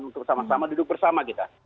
untuk sama sama duduk bersama kita